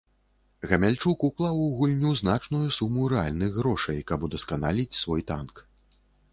Гамяльчук уклаў у гульню значную суму рэальных грошай, каб удасканаліць свой танк.